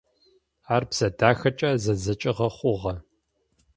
Ар бзэ дахэкӏэ зэдзэкӏыгъэ хъугъэ.